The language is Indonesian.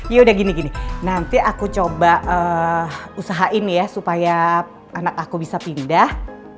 ya udah gini gini nanti aku coba usahain ya supaya anak aku bisa pindah